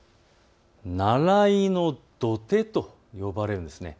ならいの土手と呼ばれるんです。